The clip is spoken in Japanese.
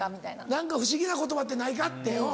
「何か不思議な言葉ってないか？」っておぉ。